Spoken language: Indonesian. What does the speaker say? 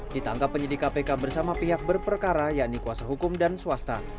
ditangkap penyidik kpk bersama pihak berperkara yakni kuasa hukum dan swasta